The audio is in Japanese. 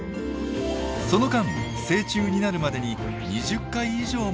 その間成虫になるまでに２０回以上も脱皮を繰り返します。